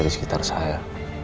di sekitar saya